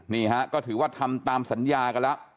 นี่ฮะก็ถือว่าทำตามสัญญากันแล้ว